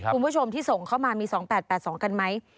คุณผู้ชมที่ส่งเข้ามามี๒๘๘๒กันไหม